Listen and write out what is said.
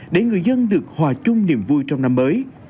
để người dân được hòa chung niềm vui trong năm mới